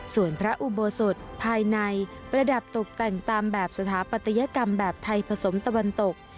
ส่วนพระอุโบสถภายในประดับตกแต่งตามแบบสถาปัตยกรรมแบบไทยผสมตะวันตก